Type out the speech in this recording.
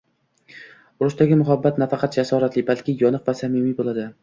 Urushdagi muhabbat nafaqat jasoratli, balki yoniq va samimiy bo‘ladi